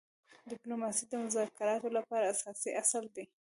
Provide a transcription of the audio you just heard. ډيپلوماسي د مذاکراتو لپاره اساسي اصل دی.